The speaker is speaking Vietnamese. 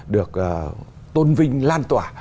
được tôn vinh lan tỏa